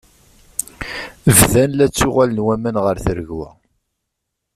Bdan la ttuɣalen waman ɣer tregwa.